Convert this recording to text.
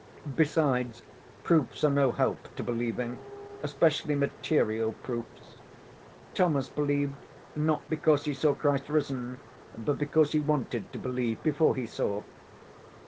Besides, proofs are no help to believing, especially material proofs. Thomas believed, not because he saw Christ risen, but because he wanted to believe, before he saw.